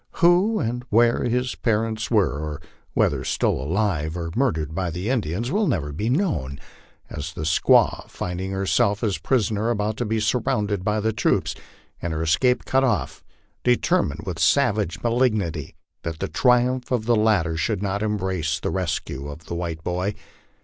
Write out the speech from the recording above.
Who or where his parents were, or whether still alive or murdered by the Indians, will never be known, as the squaw, finding herself and prisoner about to be surrounded by the troops, and her escape cut off, determined, with savage malignity, that the tri umph of the latter should not embrace the rescue of the white boy.